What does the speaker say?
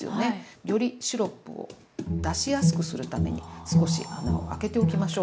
よりシロップを出しやすくするために少し穴を開けておきましょう。